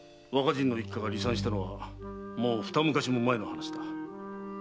和歌仁の一家が離散したのはもうふた昔も前の話だ。